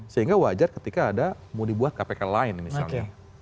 sehingga wajar ketika ada mau dibuat kpk lain misalnya